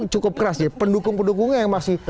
cukup keras ya pendukung pendukungnya yang masih